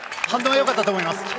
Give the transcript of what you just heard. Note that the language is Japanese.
反応はよかったと思います。